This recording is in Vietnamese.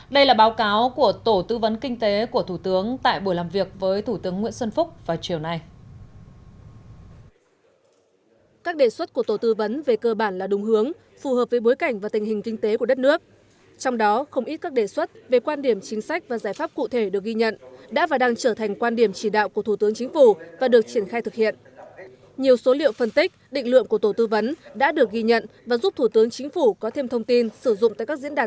đây là báo cáo của tổ tư vấn kinh tế của thủ tướng tại buổi làm việc với thủ tướng nguyễn xuân phúc vào chiều nay